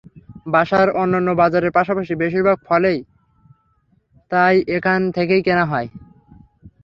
বাসার অন্যান্য বাজারের পাশাপাশি বেশির ভাগ ফলই তাই এখান থেকেই কেনা হয়।